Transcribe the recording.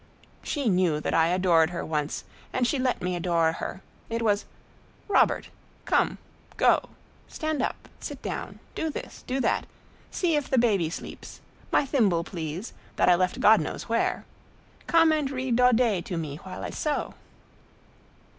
"She knew that I adored her once, and she let me adore her. It was 'Robert, come; go; stand up; sit down; do this; do that; see if the baby sleeps; my thimble, please, that I left God knows where. Come and read Daudet to me while I sew.